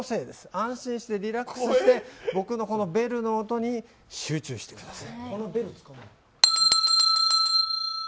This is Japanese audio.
安心してリラックスして、僕のこのベルの音に集中してください。